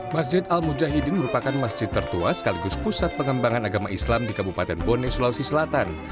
masjid al mujahidin merupakan masjid tertua sekaligus pusat pengembangan agama islam di kabupaten bone sulawesi selatan